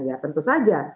ya tentu saja